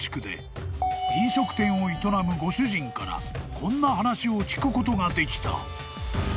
［こんな話を聞くことができた］